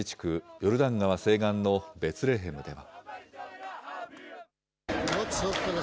ヨルダン川西岸のベツレヘムでは。